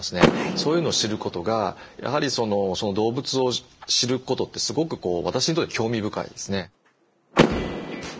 そういうのを知ることがやはり動物を知ることってすごく私にとって興味深いですね。